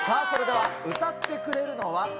それでは歌ってくれるのは？